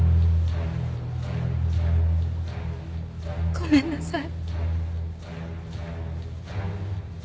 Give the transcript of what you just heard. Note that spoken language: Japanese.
ごめんなさい。